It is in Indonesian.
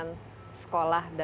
ini sudah dikira